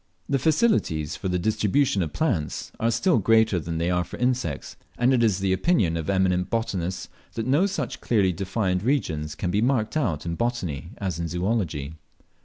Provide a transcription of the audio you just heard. The facilities for the distribution of plants are still greater than they are for insects, and it is the opinion of eminent botanists, that no such clearly defined regions pan be marked out in botany as in zoology.